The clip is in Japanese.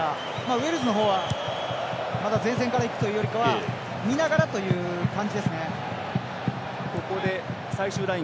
ウェールズの方はまだ前線からいくというよりかは見ながらという感じですね。